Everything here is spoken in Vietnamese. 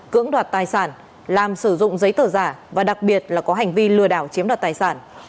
cưỡng đoạt tài sản làm sử dụng giấy tờ giả và đặc biệt là có hành vi lừa đảo chiếm đoạt tài sản